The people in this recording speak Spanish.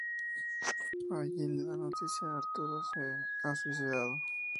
Allí le dan una noticia: Arturo se ha suicidado.